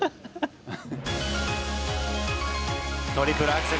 トリプルアクセル